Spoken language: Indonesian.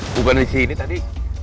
bukan disini tadi